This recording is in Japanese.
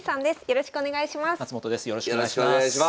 よろしくお願いします。